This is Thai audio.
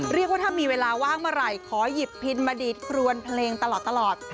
เรียกว่าถ้ามีเวลาว่างเมื่อไหร่ขอหยิบพินมาดีดครวนเพลงตลอด